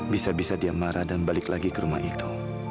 bisa bisa dia marah dan balik lagi ke rumah itu